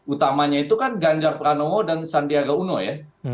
utamanya itu kan ganjar pranowo dan sandiaga uno ya